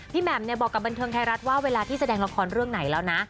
แหม่มบอกกับบันเทิงไทยรัฐว่าเวลาที่แสดงละครเรื่องไหนแล้วนะ